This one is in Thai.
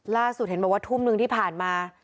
เห็นบอกว่าทุ่มหนึ่งที่ผ่านมา